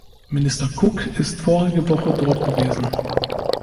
Minister Cook ist vorige Woche dort gewesen.